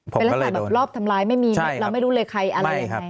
เป็นลักษณะแบบรอบทำร้ายไม่มีเราไม่รู้เลยใครอะไรยังไง